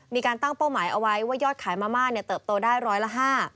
มีการตั้งเป้าหมายเอาไว้ว่ายอดขายมาม่าเนี่ยเติบโตได้ร้อยละ๕